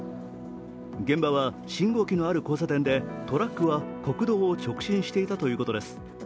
現場は信号機のある交差点でトラックは国道を直進していたということです。